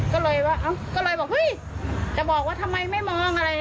ก็เลยว่าก็เลยบอกเฮ้ยจะบอกว่าทำไมไม่มองอะไร